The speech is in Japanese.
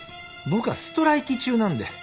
「僕はストライキ中なんで」